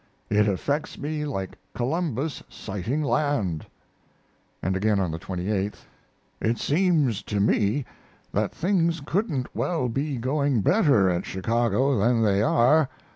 It affects me like Columbus sighting land." And again on the 28th: It seems to me that things couldn't well be going better at Chicago than they are.